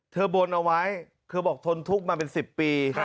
บนเอาไว้เธอบอกทนทุกข์มาเป็น๑๐ปี